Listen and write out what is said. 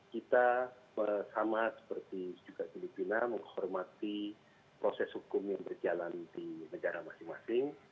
kita sama seperti juga filipina menghormati proses hukum yang berjalan di negara masing masing